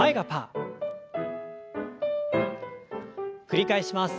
繰り返します。